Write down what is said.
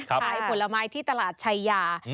ขายผลไม้ที่ตลาดชายา